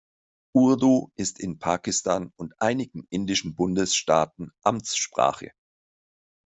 Urdu ist in Pakistan und einigen indischen Bundesstaaten Amtssprache.